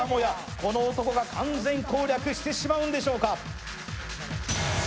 この男が完全攻略してしまうんでしょうか。